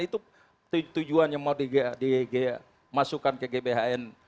itu tujuannya mau dimasukkan ke gbhn